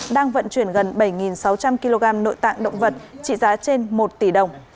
đang vận chuyển gần bảy sáu trăm linh kg nội tạng động vật trị giá trên một tỷ đồng